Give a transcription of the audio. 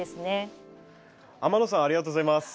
天野さんありがとうございます。